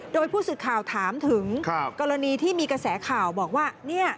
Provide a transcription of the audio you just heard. โดยผู้สื่อข่าวถามถึงกรณีที่มีกระแสข่าวบอกว่า